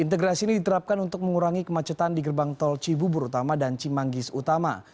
integrasi ini diterapkan untuk mengurangi kemacetan di gerbang tol cibubur utama dan cimanggis utama